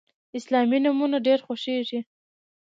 اسلامي نومونه ډیر خوښیږي.